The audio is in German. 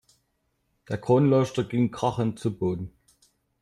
Der Kronleuchter ging krachend zu Boden.